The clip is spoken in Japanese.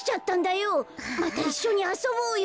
またいっしょにあそぼうよ。